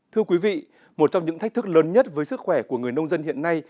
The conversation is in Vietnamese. thưa quý vị một trong những thách thức lớn nhất với sức khỏe của người nông dân hiện nay